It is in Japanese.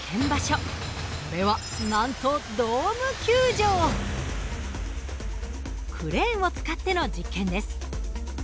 それはなんとクレーンを使っての実験です。